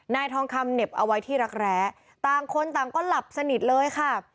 ทองคำเหน็บเอาไว้ที่รักแร้ต่างคนต่างก็หลับสนิทเลยค่ะ